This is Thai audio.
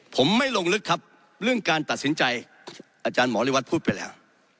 ผมไม่ลงลึกครับเรื่องการตัดสินใจอาจารย์หมอริวัตรพูดไปแล้ว